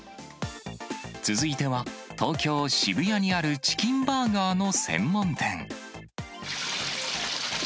続いては、東京・渋谷にあるチキンバーガーの専門店。